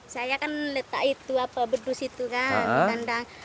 saya kan letak itu apa bedus itu kan di kandang